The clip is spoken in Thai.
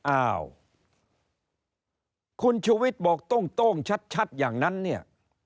อ้าวคุณชูวิทย์บอกโต้งชัดอย่างนั้นเนี่ย